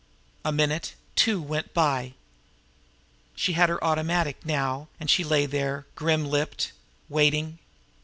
A minute, two, went by. She had her automatic now, and she lay there, grim lipped, waiting.